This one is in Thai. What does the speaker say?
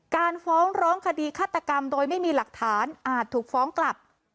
การฟ้องร้องคดีฆาตกรรมโดยไม่มีหลักฐานอาจถูกฟ้องกลับ